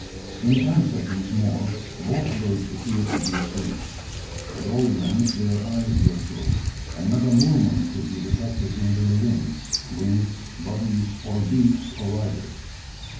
In ten seconds more both birds appeared to be asleep. At all events, their eyes were closed; and not a movement could be detected in the limbs, wings, bodies, or beaks of either!